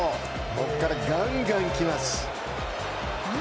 ここからガンガンきます。